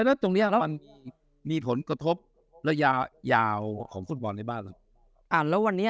แล้วตรงนี้มีผลกระทบระยายาวของฟุตบอลในบ้าน